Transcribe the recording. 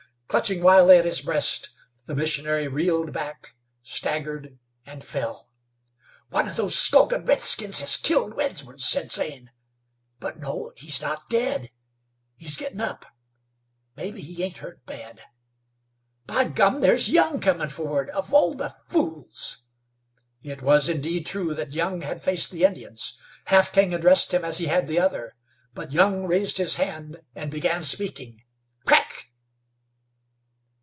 Clutching wildly at his breast, the missionary reeled back, staggered, and fell. "One of those skulkin' redskins has killed Edwards," said Zane. "But, no; he's not dead! He's gettin' up. Mebbe he ain't hurt bad. By gum! there's Young comin' forward. Of all the fools!" It was indeed true that Young had faced the Indians. Half King addressed him as he had the other; but Young raised his hand and began speaking. "Crack!"